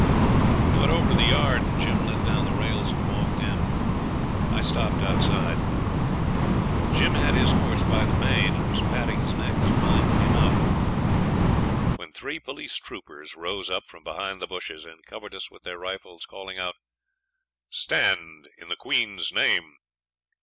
We went over to the yard, and Jim let down the rails and walked in. I stopped outside. Jim had his horse by the mane, and was patting his neck as mine came out, when three police troopers rose up from behind the bushes, and covering us with their rifles called out, 'Stand, in the Queen's name!'